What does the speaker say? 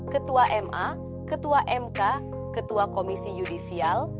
ketua ma ketua mk ketua komisi yudisial